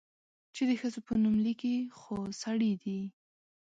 چې د ښځو په نوم ليکي، خو سړي دي؟